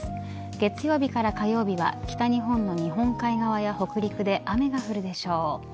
月曜日から火曜日は北日本の日本海側や北陸で雨が降るでしょう。